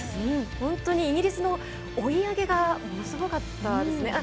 本当にイギリスの追い上げがものすごかったですね。